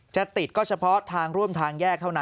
จะติดก็เฉพาะทางร่วมทางแยกเท่านั้น